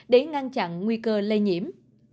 để ngăn chặn nguy cơ lây nhiễm